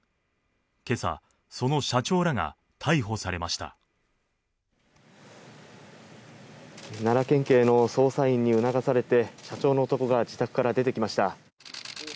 今朝、その社長らが逮捕されました奈良県警の捜査員に促されて社長の男が自宅から出てきました。